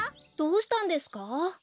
どうしたんですか？